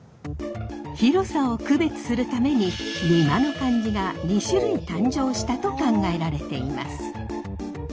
広さを区別するためににまの漢字が２種類誕生したと考えられています。